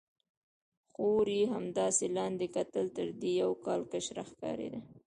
خور یې همداسې لاندې کتل، تر دې یو کال کشره ښکارېده.